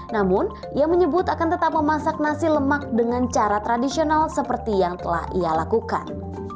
namun ia menyebut akan tetap memasak nasi lemak dengan cara tradisional seperti yang telah ia lakukan